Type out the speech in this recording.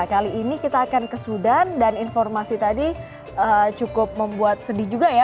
kali ini kita akan ke sudan dan informasi tadi cukup membuat sedih juga ya